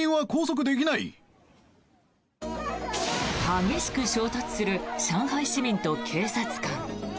激しく衝突する上海市民と警察官。